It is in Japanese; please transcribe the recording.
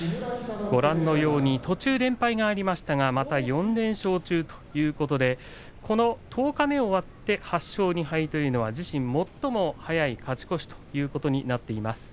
ご覧のように途中連敗がありましたがまた４連勝中ということで十日目終わって８勝２敗での自身最も早い勝ち越しということになっています。